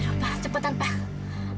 aduh pak kecepatan pak